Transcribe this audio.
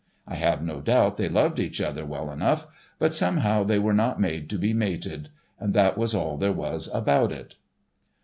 I have no doubt they loved each other well enough, but somehow they were not made to be mated—and that was all there was about it.